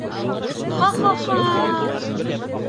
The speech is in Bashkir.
Һа-һа-һа!..